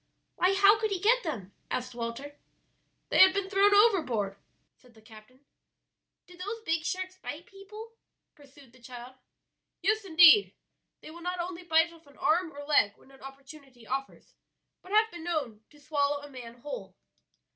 "Why, how could he get them?" asked Walter. "They had been thrown overboard," said the captain. "Do those big sharks bite people?" pursued the child. "Yes, indeed; they will not only bite off an arm or leg when an opportunity offers, but have been known to swallow a man whole."